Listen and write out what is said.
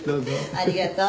ありがとう。